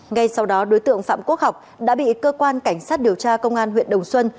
ngay sau đó đối tượng phạm quốc học đã bị cơ quan cảnh sát điều tra công an huyện đồng xuân